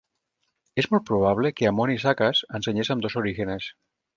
És molt probable que Ammoni Saccas ensenyés ambdós Orígenes.